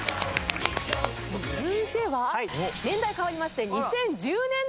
続いては年代変わりまして。